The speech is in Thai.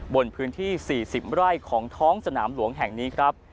บนพื้นที่๔๐ไร่ของท้องสนามหลวงแห่งนี้ครับ